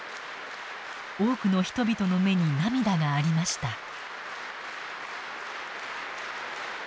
多くの人々の目に涙がありました。